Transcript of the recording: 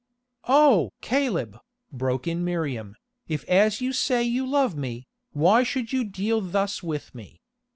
"Oh! Caleb," broke in Miriam, "if as you say you love me, why should you deal thus with me?